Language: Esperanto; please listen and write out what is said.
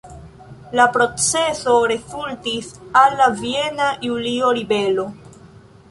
La proceso rezultis al la Viena Julio-ribelo.